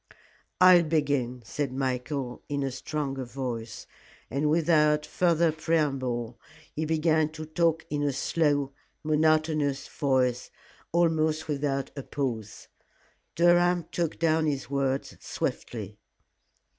"I'll begin," said Michael, in a stronger voice, and without further preamble he began to talk in a slow, monotonous voice, almost without a pause. Durham took down his words swiftly.